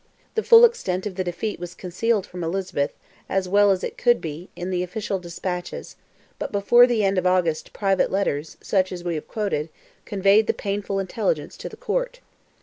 The full extent of the defeat was concealed from Elizabeth, as well as it could be, in the official despatches; but before the end of August private letters, such as we have quoted, conveyed the painful intelligence to the court.